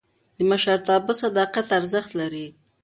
د مشرتابه صداقت ارزښت لري